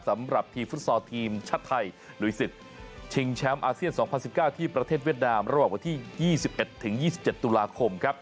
สำหรับทีมฟุตซอลทีมชาติไทยลุยศึกชิงแชมป์อาเซียน๒๐๑๙ที่ประเทศเวียดนามระหว่างวันที่๒๑๒๗ตุลาคมครับ